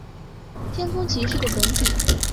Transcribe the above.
天空骑士的本体。